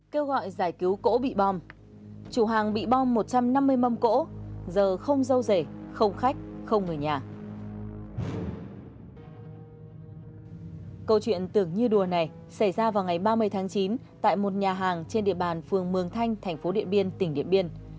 câu chuyện tưởng như đùa này xảy ra vào ngày ba mươi tháng chín tại một nhà hàng trên địa bàn phường mường thanh thành phố điện biên tỉnh điện biên